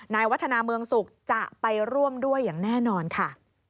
วัฒนาเมืองสุขจะไปร่วมด้วยอย่างแน่นอนค่ะ